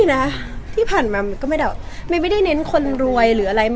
ไม่นะที่ผ่านมาไม่ได้เน้นคนรวยหรืออะไร